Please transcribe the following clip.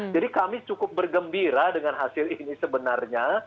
jadi kami cukup bergembira dengan hasil ini sebenarnya